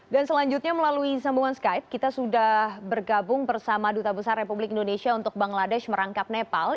dan selanjutnya melalui sambungan skype kita sudah bergabung bersama duta besar republik indonesia untuk bangladesh merangkap nepal